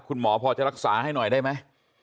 คุณหมอพอจะรักษาให้หน่อยได้ไหม